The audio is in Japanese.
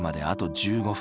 １５分。